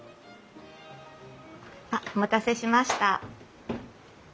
あっお待たせしました。